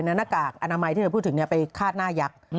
หน้ากากอนามัยที่เราพูดถึงไปคาดหน้ายักษ์